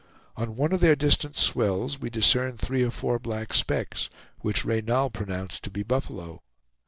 On one of their distant swells we discerned three or four black specks, which Reynal pronounced to be buffalo.